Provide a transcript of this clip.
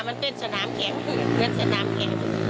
ค่ะมันเป็นสนามแข็งมันเป็นสนามแข็ง